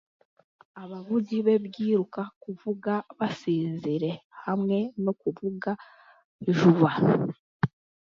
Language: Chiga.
Abavugi beebiruka kuvuga basinzire hamwe n'okuvuga juba